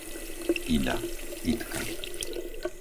Ida, Idka